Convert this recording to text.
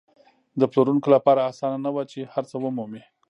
د پلورونکو لپاره اسانه نه وه چې هر څه ومومي.